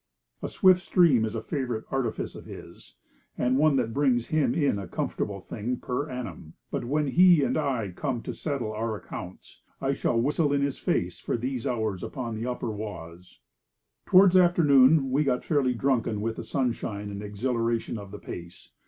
A swift stream is a favourite artifice of his, and one that brings him in a comfortable thing per annum; but when he and I come to settle our accounts, I shall whistle in his face for these hours upon the upper Oise. Towards afternoon we got fairly drunken with the sunshine and the exhilaration of the pace.